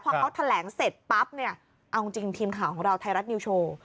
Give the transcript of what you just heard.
พอเขาแถลงเสร็จปั๊บเนี่ยเอาจริงทีมข่าวของเราไทยรัฐนิวโชว์